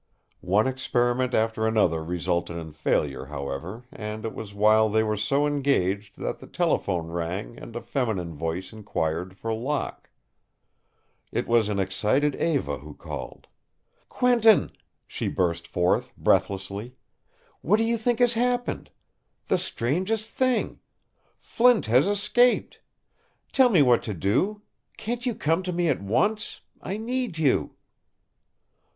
One experiment after another resulted in failure, however, and it was while they were so engaged that the telephone bell rang and a feminine voice inquired for Locke. It was an excited Eva who called. "Quentin," she burst forth, breathlessly, "what do you think has happened? The strangest thing! Flint has escaped. Tell me what to do. Can't you come to me at once? I need you."